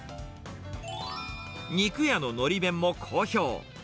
肉屋ののり弁も好評。